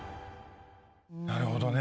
なるほどね。